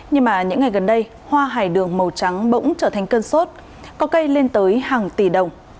nhưng mà những ngày gần đây hoa hải đường màu trắng bỗng trở thành cơn sốt có cây lên tới hàng tỷ đồng